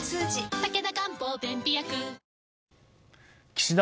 岸田